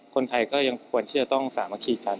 คนไทยก็ยังควรที่จะต้องสามัคคีกัน